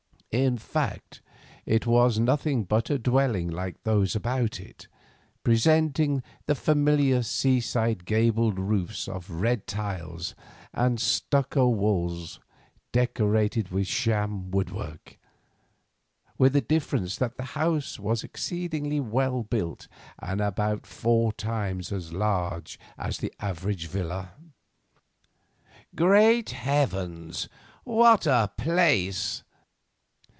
In fact, it was nothing but a dwelling like those about it, presenting the familiar seaside gabled roofs of red tiles, and stucco walls decorated with sham woodwork, with the difference that the house was exceedingly well built and about four times as large as the average villa. "Great heavens! what a place!"